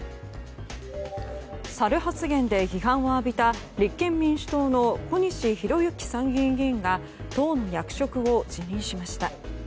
サル発言で批判を浴びた立憲民主党の小西洋之参議院議員が党の役職を辞任しました。